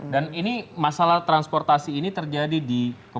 dan ini masalah transportasi ini terjadi karena